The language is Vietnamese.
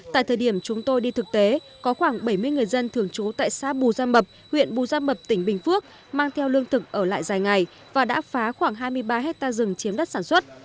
tại thời điểm chúng tôi đi thực tế có khoảng bảy mươi người dân thường trú tại xã bù gia mập huyện bù gia mập tỉnh bình phước mang theo lương thực ở lại dài ngày và đã phá khoảng hai mươi ba hectare rừng chiếm đất sản xuất